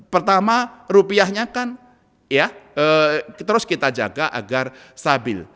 pertama rupiahnya kan ya terus kita jaga agar stabil